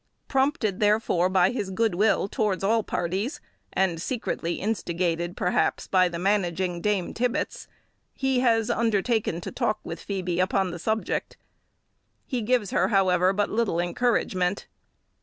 Prompted, therefore, by his good will towards all parties, and secretly instigated, perhaps, by the managing dame Tibbets, he has undertaken to talk with Phoebe upon the subject. He gives her, however, but little encouragement.